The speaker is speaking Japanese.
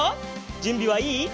じゅんびはいい？